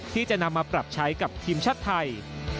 ที่จะนำมาปรับใช้กับทีมชาติไทย